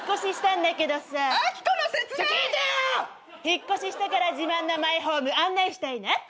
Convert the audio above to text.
引っ越ししたから自慢のマイホーム案内したいな。